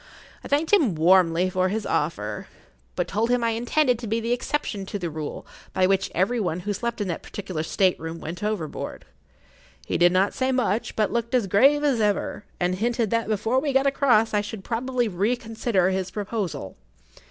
I thanked him warmly for his offer, but told him I intended to be the exception to the rule by which every one who slept in that particular state room went overboard. He did not say much, but looked as grave as ever, and hinted that before we got across I should probably reconsider his proposal.